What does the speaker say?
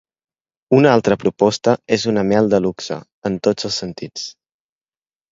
Una altra proposta és una mel de luxe, en tots els sentits.